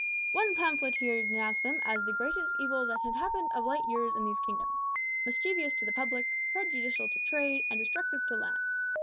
"One pamphleteer denounced them as the `greatest evil that had happened of late years in these kingdoms, mischievous to the public, prejudicial to trade, and destructive to lands.